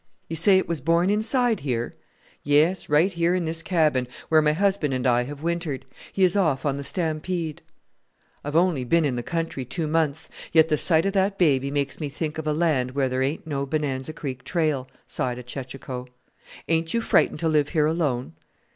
You say it was born inside here?" "Yes, right here in this cabin, where my husband and I have wintered. He is off on the stampede." "I've only been in the country two months, yet the sight of that baby makes me think of a land where there ain't no Bonanza Creek trail," sighed a chechacho. "Ain't you frightened to live here alone?"